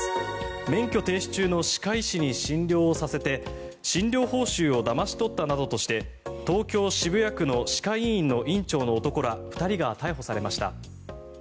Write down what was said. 免許停止中の歯科医師に診療をさせて診療報酬をだまし取ったなどとして東京・渋谷区の歯科医院の院長の男ら２人が逮捕されました。